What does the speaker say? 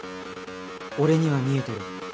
俺には見えてる。